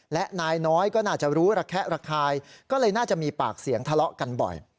และนายน้อยก็น่าจะรู้ระแคะระคายก็เลยน่าจะมีปากเสียงทะเลาะกันบ่อย